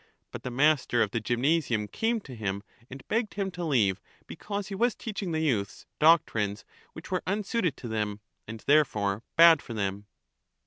But the master of the gymnasium came to him and begged him to leave because he was teaching the youths doctrines which were unsuited to them, and therefore bad for them.